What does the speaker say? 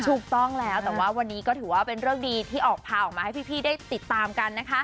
ถูกต้องแล้วแต่ว่าวันนี้ก็ถือว่าเป็นเรื่องดีที่ออกพาออกมาให้พี่ได้ติดตามกันนะคะ